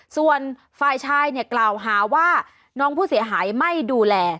ส่วนฝ่ายชายเนี่ยกล่าวหาว่าน้องผู้เสียหายไม่ดูแล